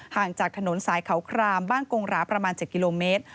ห่างจากถนนสายเขาครามบ้านกงหราประมาณ๗กิโลเมตร